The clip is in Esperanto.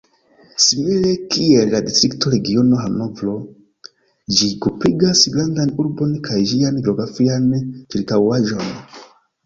Simile kiel la Distrikto Regiono Hanovro, ĝi grupigas grandan urbon kaj ĝian geografian ĉirkaŭaĵon.